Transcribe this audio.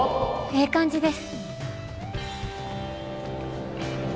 ええ感じです。